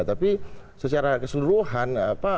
tapi secara keseluruhan